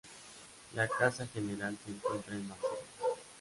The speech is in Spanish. La casa general se encuentra en Marsella.